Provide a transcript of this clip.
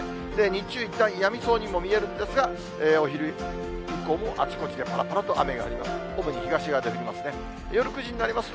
日中、いったんやみそうにも見えるんですが、お昼以降もあちこちでぱらぱらと雨が降ります。